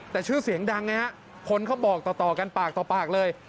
แต่ชื่อเสียงดังไงฮะคนเขาบอกต่อกันปากต่อปากเลย